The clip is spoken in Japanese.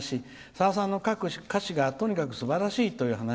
さださんの歌詞がとにかくすばらしいという話。